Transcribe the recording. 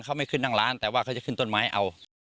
เขาไม่ขึ้นนั่งร้านแต่ว่าเขาจะขึ้นต้นไม้เอา